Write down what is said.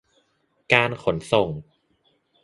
การขนส่ง